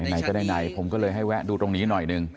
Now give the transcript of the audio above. ไหนก็ได้ไหนผมก็เลยให้แวะดูตรงนี้หน่อยหนึ่ง